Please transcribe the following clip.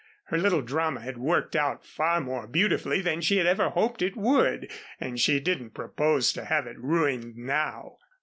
Her little drama had worked out far more beautifully than she had ever hoped it would, and she didn't propose to have it ruined now.